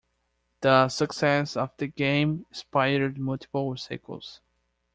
The success of the game inspired multiple sequels.